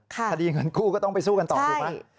คดีเงินกู้ก็ต้องไปสู้กันต่อถูกไหม